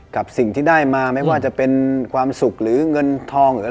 กับสิ่งที่ได้มาไม่ว่าจะเป็นความสุขหรือเงินทองหรือ